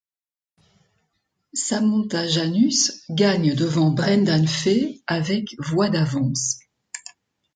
Samantha Janus gagne devant Brendan Faye avec voix d'avance.